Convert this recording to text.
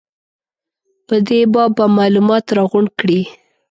په دې باب به معلومات راغونډ کړي.